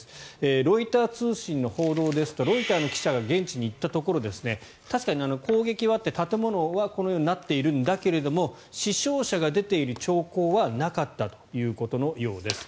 ロイター通信の報道ですとロイターの記者が現地に行ったところ確かに攻撃はあって建物はこのようになっているんだけども死傷者が出ている兆候はなかったということのようです。